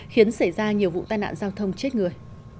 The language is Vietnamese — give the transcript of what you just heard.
khiến xảy ra nhiều vụ tai nạn giao thông chết người